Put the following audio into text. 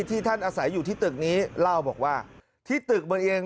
ที่ท่านอาศัยอยู่ที่ตึกนี้เล่าบอกว่าที่ตึกบนเอง